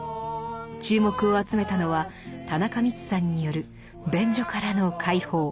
注目を集めたのは田中美津さんによる「便所からの解放」。